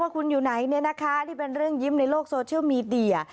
ว่าคุณอยู่ไหนเนี่ยนะคะนี่เป็นเรื่องยิ้มในโลกโซเชียลมีเดีย